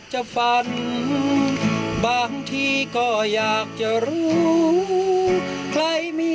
เหมือนเดิม